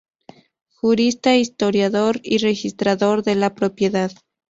Jurista, historiador y registrador de la propiedad.